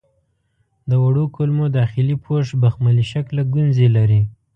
د وړو کولمو داخلي پوښ بخملي شکله ګونځې لري.